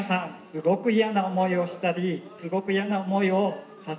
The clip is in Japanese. すごく嫌な思いをしたりすごく嫌な思いをさせてしまいました。